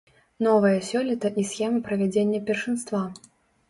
Новая сёлета і схема правядзення першынства.